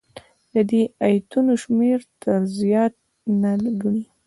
د دې ایتونو شمېر تر زیات نه ګڼي.